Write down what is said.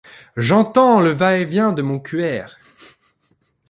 j'entends le va-et-vient de mon cueur…